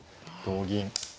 同銀。